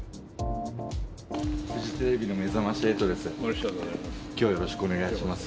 フジテレビのめざまし８です。